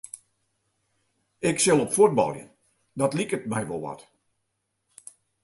Ik sil op fuotbaljen, dat liket my wol wat.